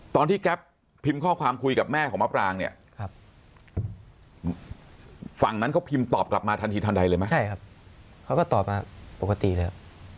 ตอนที่แก๊บพิมพ์ข้อความคุยกับแม่ของมาปรางเนี่ย